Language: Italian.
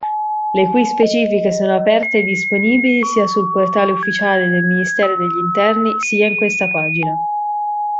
Le cui specifiche sono aperte e disponibili sia sul portale ufficiale del Ministero degli Interni, sia in questa pagina.